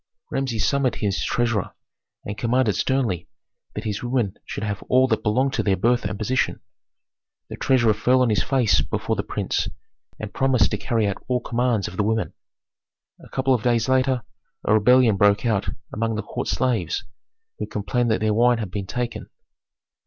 Rameses summoned his treasurer, and commanded sternly that his women should have all that belonged to their birth and position. The treasurer fell on his face before the prince, and promised to carry out all commands of the women. A couple of days later, a rebellion broke out among the court slaves, who complained that their wine had been taken.